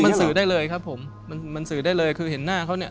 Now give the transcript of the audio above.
มันสื่อได้เลยครับผมมันมันสื่อได้เลยคือเห็นหน้าเขาเนี่ย